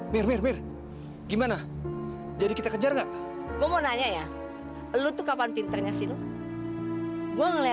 mir mir gimana jadi kita kejar enggak gua mau nanya ya lu tuh kapan pinternya sih lu gua ngeliatin